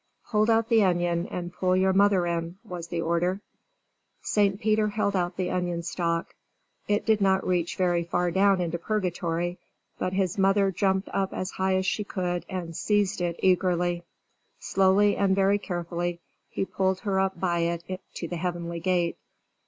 "Hold out the onion and pull your mother in," was the order. St. Peter held out the onion stalk. It did not reach very far down into Purgatory, but his mother jumped up as high as she could and seized it eagerly. Slowly and very carefully he pulled her up by it to the Heavenly Gate.